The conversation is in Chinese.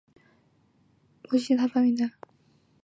著名的易辛模型是他发明的。